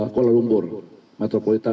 kuala lumpur metropolitan